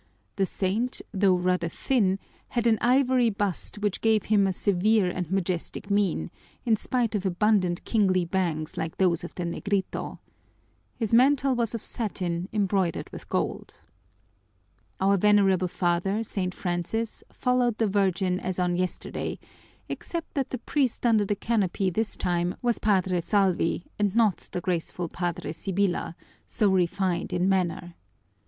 The saint, though rather thin, had an ivory bust which gave him a severe and majestic mien, in spite of abundant kingly bangs like those of the Negrito. His mantle was of satin embroidered with gold. Our venerable father, St. Francis, followed the Virgin as on yesterday, except that the priest under the canopy this time was Padre Salvi and not the graceful Padre Sibyla, so refined in manner.